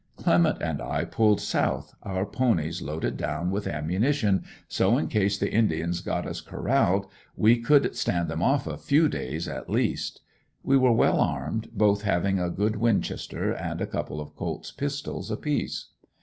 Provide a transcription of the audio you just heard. Clement and I pulled south, our ponies loaded down with ammunition so in case the indians got us corralled we could stand them off a few days, at least. We were well armed, both having a good winchester and a couple of colts' pistols apiece.